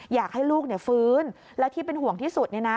อยากให้ลูกฟื้นและที่เป็นห่วงที่สุด